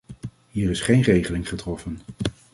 Hier is geen regeling getroffen.